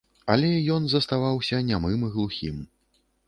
Але ён заставаўся нямым і глухім.